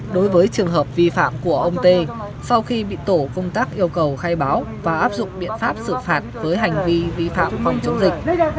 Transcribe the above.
đối với trường hợp vi phạm của ông t sau khi bị tổ công tác yêu cầu khai báo và áp dụng biện pháp xử phạt với hành vi vi phạm phòng chống dịch